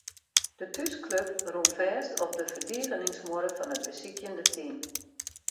De thúsklup rûn fêst op de ferdigeningsmuorre fan it besykjende team.